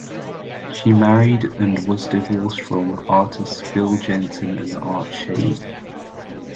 She married, and was divorced from, artists Bill Jensen and Art Schade.